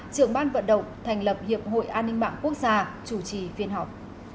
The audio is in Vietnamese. trưởng ban vận động thành lập hiệp hội an ninh mạng quốc gia chủ trì phiên họp